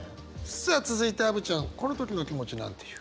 さあ続いてアヴちゃんこの時の気持ちなんて言う？